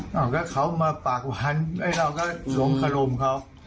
ถ้าเขามาปากวันไอ้เราก็หลงคลมเขา